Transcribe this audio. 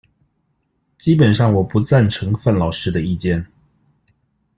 基本上我不贊成范老師的意見